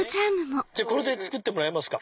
これで作ってもらえますか。